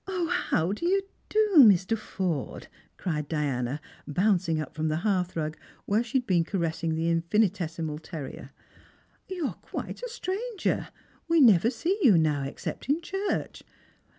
0, how do yon do, Mr. Forde P" cried Diana, bouncing up from the hearthrug, where she had been caressing the infinitesi mal terrier. " You are quite a stranger. We never set "^ou now, except in church.